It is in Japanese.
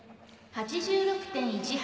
８６．１８。